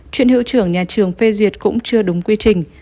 chuyện hiệu trưởng nhà trường phê duyệt cũng chưa đúng quy trình